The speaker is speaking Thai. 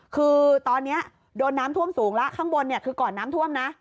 คือตอนนี้โดนน้ำท่วมสูงแล้วข้างบนคือก่อนน้ำท่วมนะ